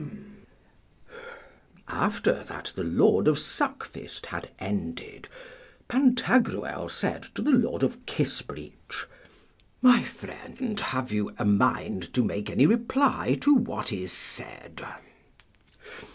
After that the Lord of Suckfist had ended, Pantagruel said to the Lord of Kissbreech, My friend, have you a mind to make any reply to what is said?